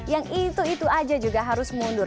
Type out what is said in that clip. yang itu itu aja juga harus mundur